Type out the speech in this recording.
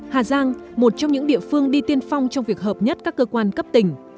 hà giang một trong những địa phương đi tiên phong trong việc hợp nhất các cơ quan cấp tỉnh